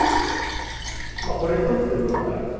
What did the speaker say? これ１つということはないですね。